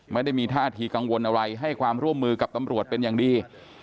ไม่ได้มีท่าทีกังวลอะไรให้ความร่วมมือกับตำรวจเป็นอย่างดี